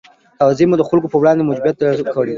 تواضع به مو د خلګو پر وړاندې محبوبیت ډېر کړي